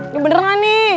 ya beneran nih